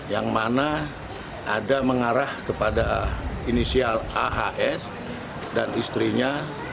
yang mana ada mengarah kepada inisial ahs dan istrinya